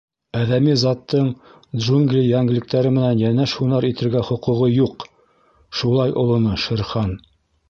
— Әҙәми заттың джунгли йәнлектәре менән йәнәш һунар итергә хоҡуғы юҡ, — шулай олоно Шер Хан.